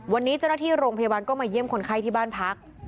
วันนี้เจ้าหน้าที่โรงพยาบาลก็มาเยี่ยมคนไข้ที่บ้านพัก